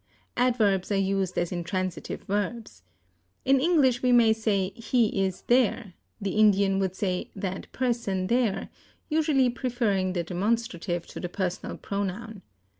Adverbs are used as intransitive verbs. In English we may say he is there; the Indian would say that person there usually preferring the demonstrative to the personal pronoun.